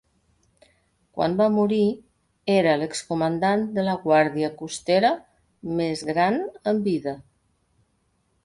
Quan va morir, era l'ex-comandant de la guàrdia costera més gran en vida.